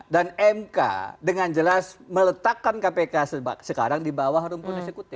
dan mk dengan jelas meletakkan kpk sekarang di bawah rumput disekutif